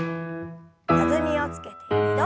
弾みをつけて２度。